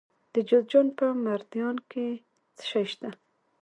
د جوزجان په مردیان کې څه شی شته؟